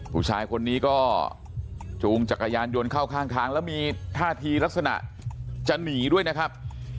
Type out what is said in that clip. ผู้ชายคนนี้ก็จูงจักรยานยนต์เข้าข้างทางแล้วมีท่าทีลักษณะจะหนีด้วยนะครับ